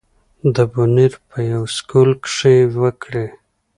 د بونېر پۀ يو سکول کښې وکړې